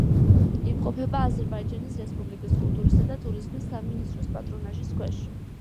იმყოფება აზერბაიჯანის რესპუბლიკის კულტურისა და ტურიზმის სამინისტროს პატრონაჟის ქვეშ.